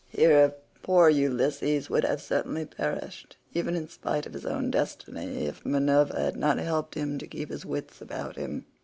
Here poor Ulysses would have certainly perished even in spite of his own destiny, if Minerva had not helped him to keep his wits about him.